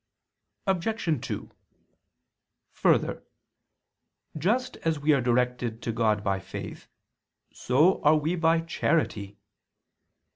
Obj. 2: Further, just as we are directed to God by faith, so are we by charity.